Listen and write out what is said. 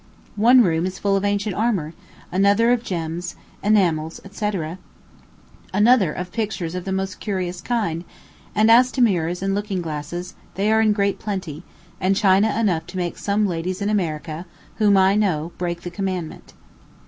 One room is full of ancient armor, another of gems, enamels, &c, another of pictures of the most curious kind; and as to mirrors and looking glasses, they are in great plenty; and china enough to make some ladies in America whom I know break the commandment.